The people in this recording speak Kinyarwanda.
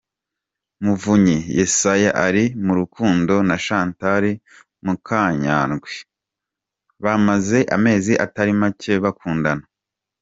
Muvunyi Yesaya ari mu rukundo na Chantal Mukanyandwi bamaze amezi atari macye bakundana.